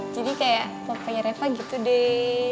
jadi kayak papanya reva gitu deh